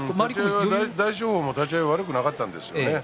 大翔鵬も立ち合い悪くなかったんですよね。